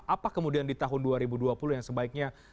apa kemudian di tahun dua ribu dua puluh yang sebaiknya